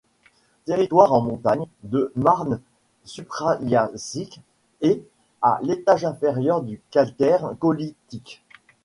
Territoire en montagnes, de marnes supraliasiques et à l'étage inférieur du calcaire colitique.